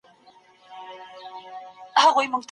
کارپوهانو به ځانګړي استازي لیږل.